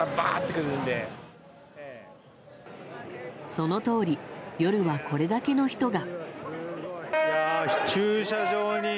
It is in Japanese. そのとおり夜は、これだけの人が。